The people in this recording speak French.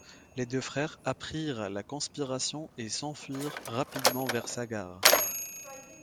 Les deux frères apprirent la conspiration et s'enfuirent rapidement vers Sagar.